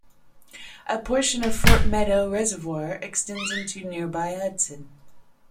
A portion of Fort Meadow Reservoir extends into nearby Hudson.